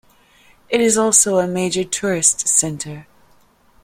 It is also a major tourist centre.